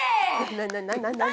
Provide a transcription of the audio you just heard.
な何？